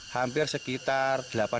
hampir sekitar delapan tahun